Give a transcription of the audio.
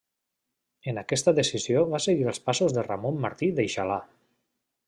En aquesta decisió va seguir els passos de Ramon Martí d'Eixalà.